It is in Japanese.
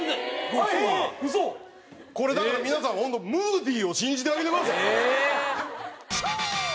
これだから皆さん本当ムーディを信じてあげてください。